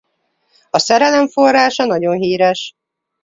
A Szerelem forrása nagyon híres.